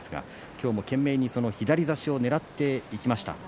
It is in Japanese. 今日も懸命に、その左差しをねらっていきました。